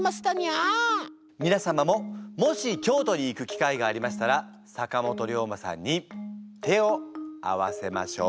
みな様ももし京都に行く機会がありましたら坂本龍馬さんに手を合わせましょう。